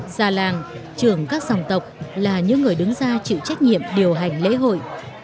già làng trưởng các dòng tộc là những người đứng ra chịu trách nhiệm điều hành lễ hội